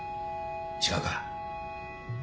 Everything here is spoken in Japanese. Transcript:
違うか？